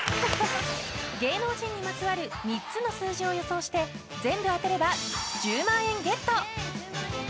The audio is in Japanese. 芸能人にまつわる３つの数字を予想して全部当てれば１０万円ゲット！